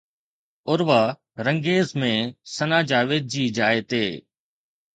عروا رنگريز ۾ ثنا جاويد جي جاءِ تي